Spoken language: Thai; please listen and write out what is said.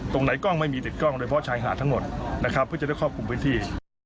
ตรงไหนกล้องไม่มีติดกล้องด้วยเพราะชายหาดทั้งหมดเพื่อจะได้ควบคุมพื้นที่